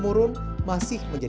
supaya masuk dua belah